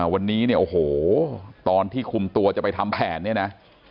วันนี้เนี่ยโอ้โหตอนที่คุมตัวจะไปทำแผนเนี่ยนะ